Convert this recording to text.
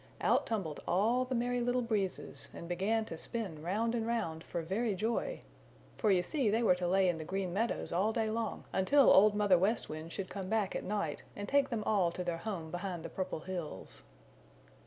Out tumbled all the Merry Little Breezes and began to spin round and round for very joy, for you see they were to lay in the Green Meadows all day long until Old Mother West Wind should come back at night and take them all to their home behind the Purple Hills.